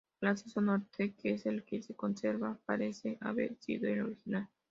Al acceso norte, que es el que se conserva, parece haber sido el original.